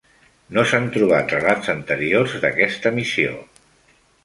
No s'han trobat relats anteriors d'aquesta missió.